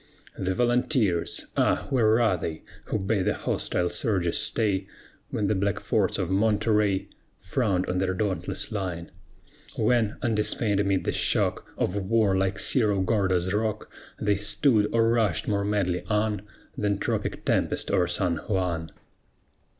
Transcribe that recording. The Volunteers! Ah, where are they Who bade the hostile surges stay, When the black forts of Monterey Frowned on their dauntless line? When, undismayed amid the shock Of war, like Cerro Gordo's rock, They stood, or rushed more madly on Than tropic tempest o'er San Juan?